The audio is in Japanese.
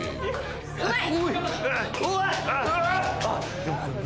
うまい！